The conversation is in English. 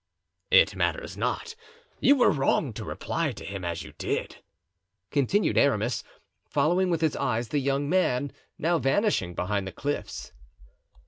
"It matters not; you were wrong to reply to him as you did," continued Aramis, following with his eyes the young man, now vanishing behind the cliffs.